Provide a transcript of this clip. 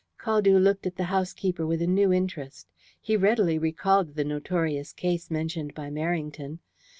Caldew looked at the housekeeper with a new interest. He readily recalled the notorious case mentioned by Merrington.